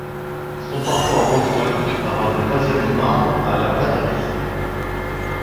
Ils sont parfois rejoint par un troisième membre à la batterie.